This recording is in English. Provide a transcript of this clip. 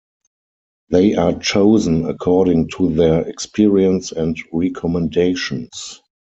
They are chosen according to their experience and recommendations.